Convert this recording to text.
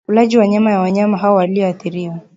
ulaji wa nyama ya wanyama hao walioathiriwa